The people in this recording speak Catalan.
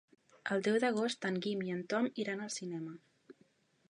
El deu d'agost en Guim i en Tom iran al cinema.